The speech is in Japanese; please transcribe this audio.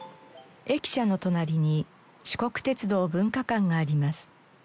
駅舎の隣に四国鉄道文化館があります。